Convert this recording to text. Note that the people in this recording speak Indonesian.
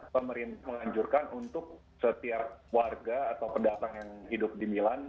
pemerintah menganjurkan untuk setiap warga atau pendatang yang hidup di milan